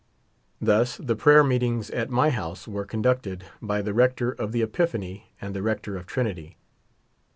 Thus the 'prayer meetings at my house were conducted by the rector of the Epiphany and the rector of Trinity.